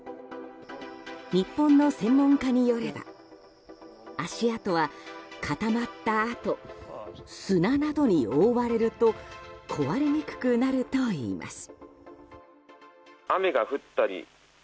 日本の専門家によれば足跡は固まったあと砂などに覆われると壊れにくくなるといいます。